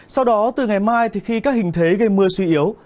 sau đó từ ngày mai thì khi các hình thế gây mưa suy yếu